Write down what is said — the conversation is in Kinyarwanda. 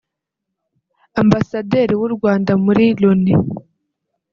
Ambasaderi w’u Rwanda muri Loni